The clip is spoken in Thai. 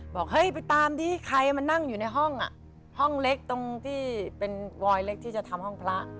บอกเฮ้ยไปตามที่ใครมานั่งอยู่ในห้องอ่ะห้องห้องเล็กตรงที่เป็นวอยเล็กที่จะทำห้องพระ